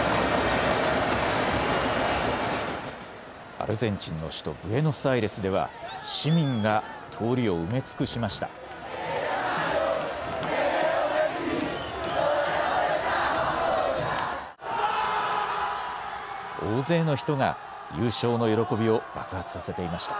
アルゼンチンの首都ブエノスアイレスでは市民が通りを埋め尽くしました。